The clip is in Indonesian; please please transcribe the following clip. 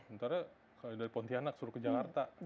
betul kan sementara dari pontianak suruh ke jalan lainnya ya